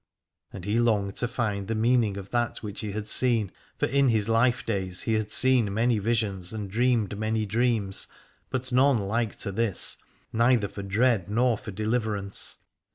And he longed to find the meaning of that which he had seen, for in his life days he had seen many visions and dreamed many dreams, but none like to this, neither for dread nor for deliverance.